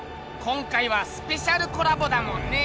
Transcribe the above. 今回はスペシャルコラボだもんね。